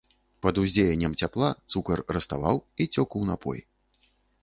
Пад уздзеяннем цяпла, цукар раставаў і цёк у напой.